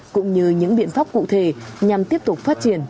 cũng như những biện pháp cụ thể nhằm tiếp tục phát triển